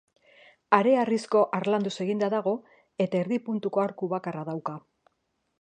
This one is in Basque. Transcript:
Hareharrizko harlanduz eginda dago eta erdi puntuko arku bakarra dauka.